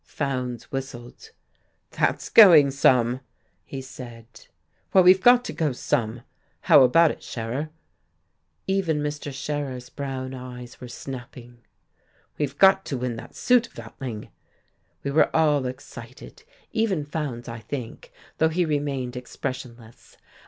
Fowndes whistled. "That's going some!" he said. "Well, we've got to go some. How about it, Scherer?" Even Mr. Scherer's brown eyes were snapping. "We have got to win that suit, Watling." We were all excited, even Fowndes, I think, though he remained expressionless.